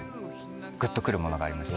グッと来るものがありました。